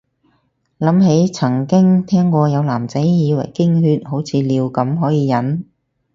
諗起曾經聽過有男仔以為經血好似尿咁可以忍